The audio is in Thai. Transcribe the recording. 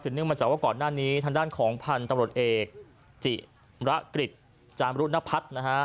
สิ่งนึงมันจะว่าก่อนหน้านี้ทางด้านของพันธ์ตำรวจเอกจิรกฤทธิ์จามรุนพัฒน์